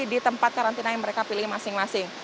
di tempat karantina yang mereka pilih masing masing